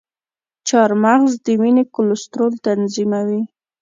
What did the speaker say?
چارمغز د وینې کلسترول تنظیموي.